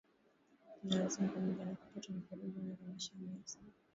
wa Nazianzo Pamoja na kupatwa na vurugu nyingi maishani hasa